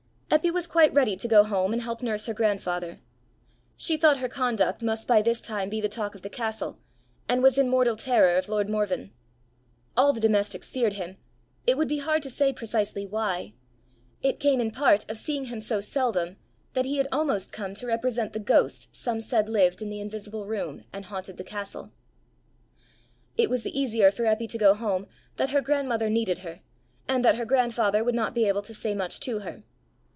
Eppy was quite ready to go home and help nurse her grandfather. She thought her conduct must by this time be the talk of the castle, and was in mortal terror of lord Morven. All the domestics feared him it would be hard to say precisely why; it came in part of seeing him so seldom that he had almost come to represent the ghost some said lived in the invisible room and haunted the castle. It was the easier for Eppy to go home that her grandmother needed her, and that her grandfather would not be able to say much to her.